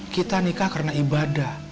kita nikah karena ibadah